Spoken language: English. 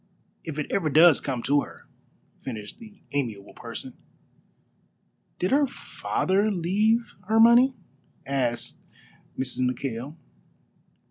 "If it ever does come to her," finished this amiable person. "Did her father leave her money?" asked Mrs. McKail.